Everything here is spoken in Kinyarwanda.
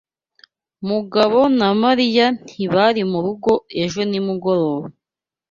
Mugabo na Mariya ntibari murugo ejo nimugoroba.